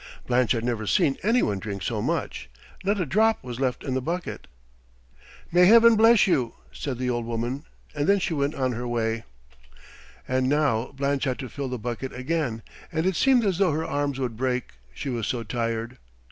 Blanche had never seen any one drink so much; not a drop was left in the bucket. "May heaven bless you!" said the old woman, and then she went on her way. And now Blanche had to fill the bucket again, and it seemed as though her arms would break, she was so tired.